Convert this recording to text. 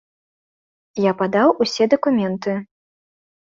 Я падаў усе дакументы.